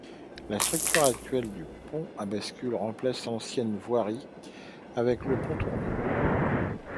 La structure actuelle du pont à bascule remplace l’ancienne voirie avec le pont tournant.